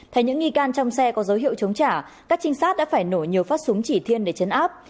thấy những nghi can trong xe có dấu hiệu chống trả các trinh sát đã phải nổ nhiều phát súng chỉ thiên để chấn áp